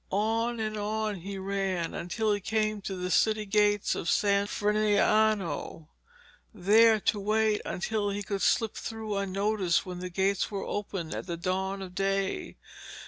On and on he ran until he came to the city gates of San Frediano, there to wait until he could slip through unnoticed when the gates were opened at the dawn of day.